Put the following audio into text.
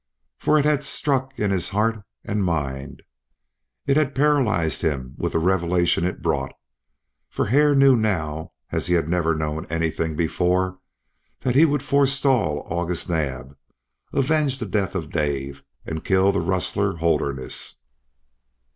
For it had struck into his heart and mind. It had paralyzed him with the revelation it brought; for Hare now knew as he had never known anything before, that he would forestall August Naab, avenge the death of Dave, and kill the rustler Holderness.